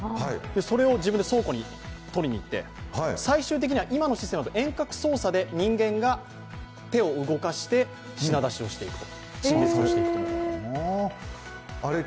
それを自分で倉庫に取ににいって、最終的には遠隔操作で人間が手を動かして品出しをしていると。